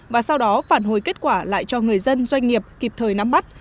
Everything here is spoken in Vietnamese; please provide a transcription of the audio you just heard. và sau đó phản hồi kết quả lại cho người dân doanh nghiệp kịp thời nắm bắt